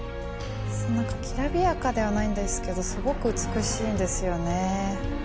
きらびやかではないんですけどすごく美しいんですよね。